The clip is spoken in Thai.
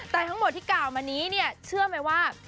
แต่ทั้งหมดที่กล่าวมานี้เนี่ยเชื่อไหมว่า